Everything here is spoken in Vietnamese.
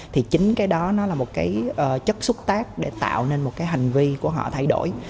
thì chính cái đó nó là một cái chất xúc tác để tạo nên một cái hành vi của họ thay đổi